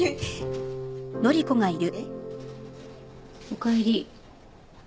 おかえり。